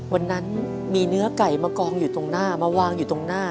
วันนั้นมีเนื้อไก่มากองอยู่ตรงหน้ามาวางอยู่ตรงหน้า